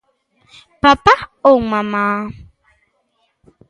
Papá ou mamá?